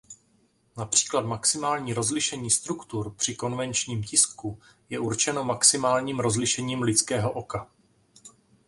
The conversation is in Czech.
Například maximální rozlišení struktur při konvenčním tisku je určeno maximálním rozlišením lidského oka.